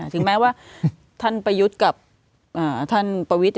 ถึงแม้ว่าท่านประยุทธ์กับท่านประวิทธิ